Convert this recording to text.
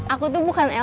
aku tuh bukannya e ball